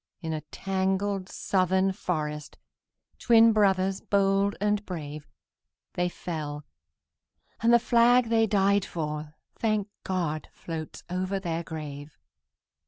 In a tangled Southern forest, Twin brothers bold and brave, They fell; and the flag they died for, Thank God! floats over their grave.